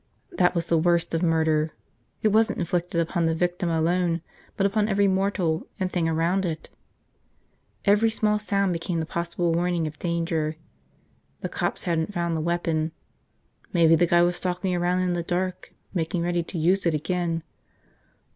That was the worst of murder, it wasn't inflicted upon the victim alone but upon every mortal and thing around it. Every small sound became the possible warning of danger. The cops hadn't found the weapon. Maybe the guy was stalking around in the dark, making ready to use it again.